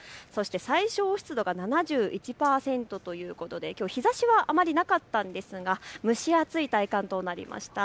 最小湿度が７１％ということで日ざしはあまりなかったんですが蒸し暑い体感となりました。